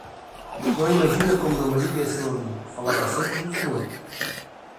Não imagina como meu marido é seu amigo, falava sempre do senhor.